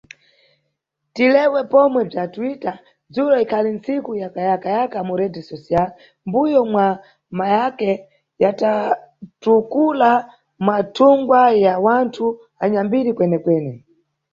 Tilewe pomwe bzwa Twitter, dzulo ikhali ntsiku ya kayakayaka mu rede social, mʼmbuyo mwa mahacker yatatukula mathungwa ya wanthu anyambiri kwenekwene.